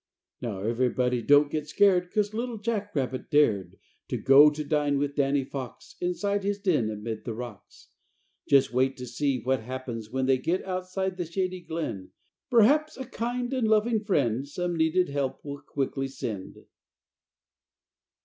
Now everybody don't get scared 'Cause little Jackie Rabbit dared Go out to dine with Danny Fox Inside his den amid the rocks. Just wait to see what happens when They get outside the Shady Glen. Perhaps a kind and loving friend Some needed help will quickly send.